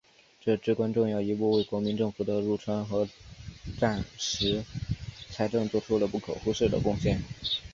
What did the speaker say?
这至关重要一步为国民政府的入川和战时财政作出了不可忽视的贡献。